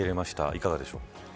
いかがでしょう。